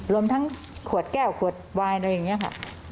รวมทั้งขวดแก้วขวดวายอะไรอย่างนี้ค่ะ